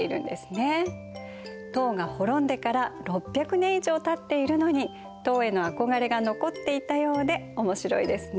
唐が滅んでから６００年以上たっているのに唐への憧れが残っていたようで面白いですね。